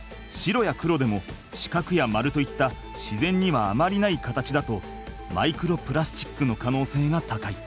白や黒でも四角や丸といった自然にはあまりない形だとマイクロプラスチックの可能性が高い。